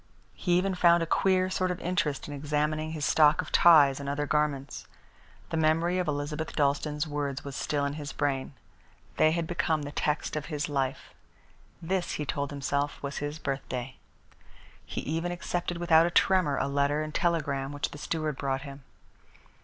He even found a queer sort of interest in examining his stock of ties and other garments. The memory of Elizabeth Dalstan's words was still in his brain. They had become the text of his life. This, he told himself, was his birthday. He even accepted without a tremor a letter and telegram which the steward brought him.